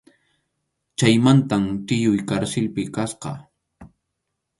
Chaymantam tiyuy karsilpi kasqa.